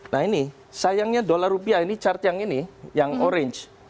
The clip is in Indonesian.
nah ini sayangnya dolar rupiah ini chart yang ini yang orange